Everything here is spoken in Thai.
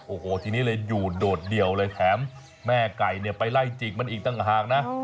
โอ้โหทีนี้เลยอยู่โดดเดี่ยวเลยแถมแม่ไก่เนี่ยไปไล่จิกมันอีกต่างหากนะ